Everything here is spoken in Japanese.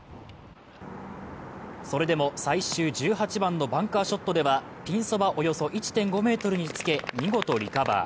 それでも最終１８番のバンカーショットでは、ピンそばおよそ１．５ｍにつけ、見事リカバー。